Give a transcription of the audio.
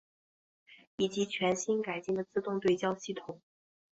以及全新改进的自动对焦系统。